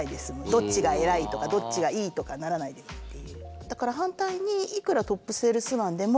どっちが偉いとかどっちがいいとかならないでいいっていう。